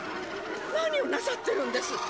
何をなさってるんです？